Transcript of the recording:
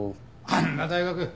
あんな大学。